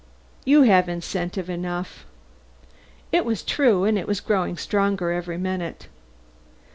You have incentive enough." It was true and it was growing stronger every minute.